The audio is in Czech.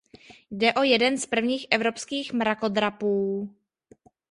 Jde o jeden z prvních evropských mrakodrapů.